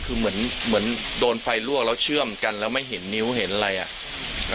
คือเหมือนเหมือนโดนไฟลวกแล้วเชื่อมกันแล้วไม่เห็นนิ้วเห็นอะไรอ่ะ